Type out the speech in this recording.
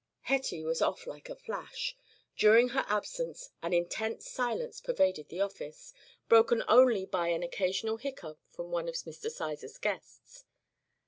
Hetty was off like a flash. During her absence an intense silence pervaded the office, broken only by an occasional hiccough from one of Mr. Sizer's guests.